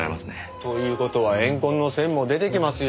という事は怨恨の線も出てきますよ。